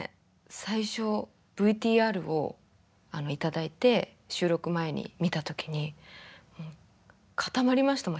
最初ＶＴＲを頂いて収録前に見た時に固まりましたもん